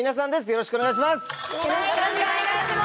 よろしくお願いします！